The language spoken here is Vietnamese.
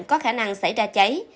có khả năng xảy ra cháy